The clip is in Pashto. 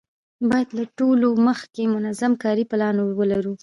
باید له ټولو مخکې منظم کاري پلان ولرو.